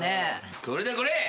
これだこれ！